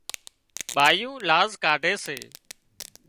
ٻايُون لاز ڪاڍي سي